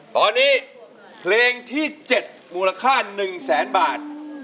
ตอนนี้เพลงที่๗มูลค่า๑แสนบาท